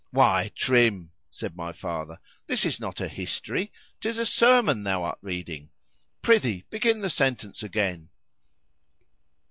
——Why, Trim, said my father, this is not a history,——'tis a sermon thou art reading; prithee begin the sentence again.